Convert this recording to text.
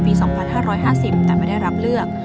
ปีสองพันห้าร้อยห้าสิบแต่ไม่ได้รับเลือก